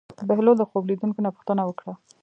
بهلول د خوب لیدونکي نه پوښتنه وکړه.